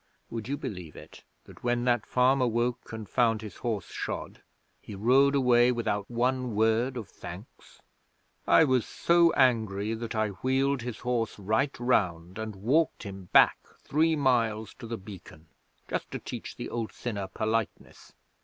'Would you believe it, that when that farmer woke and found his horse shod he rode away without one word of thanks? I was so angry that I wheeled his horse right round and walked him back three miles to the Beacon, just to teach the old sinner politeness.'